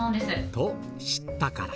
と知ったから。